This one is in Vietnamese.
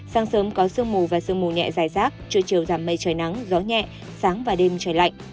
sáng sớm có sương mù và sương mù nhẹ dài rác trưa chiều giảm mây trời nắng gió nhẹ sáng và đêm trời lạnh